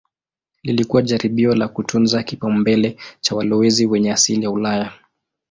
Lilikuwa jaribio la kutunza kipaumbele cha walowezi wenye asili ya Ulaya.